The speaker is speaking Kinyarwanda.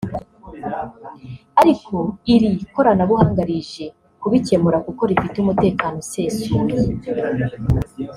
ariko iri koranabuhanga rije kubikemura kuko rifite umutekano usesuye”